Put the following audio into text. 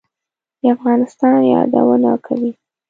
د افغانستان یادونه کوي.